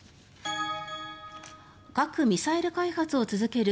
核・ミサイル開発を続ける